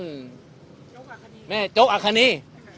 โจ๊กอาคณีไม่โจ๊กอาคณี